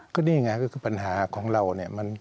ก็นี่ไงก็คือปัญหาของเราเนี่ย